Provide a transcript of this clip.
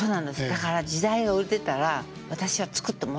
だから「時代」が売れてたら私は作ってもらえなかったです。